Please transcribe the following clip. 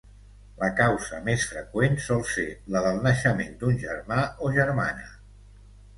La causa més freqüent, sol ser la del naixement d'un germà o germana.